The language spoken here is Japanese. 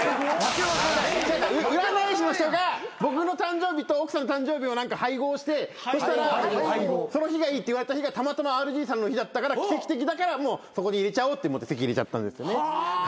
占い師の人が僕の誕生日と奥さんの誕生日を配合してそしたらその日がいいって言われた日がたまたまＲＧさんの日だったから奇跡的だからそこで入れちゃおうと思って籍入れちゃったんですよね。